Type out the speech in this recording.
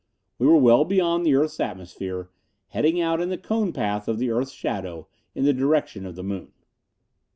We were well beyond the earth's atmosphere, heading out in the cone path of the earth's shadow, in the direction of the moon.